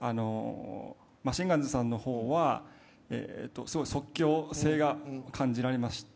マシンガンズさんの方はすごい即興性が感じられました。